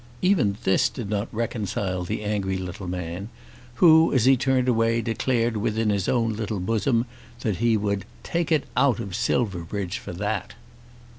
Even this did not reconcile the angry little man, who as he turned away declared within his own little bosom that he would "take it out of Silverbridge for that."